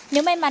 nếu may mắn